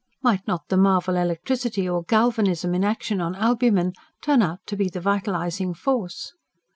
Might not the marvel electricity or galvanism, in action on albumen, turn out to be the vitalising force?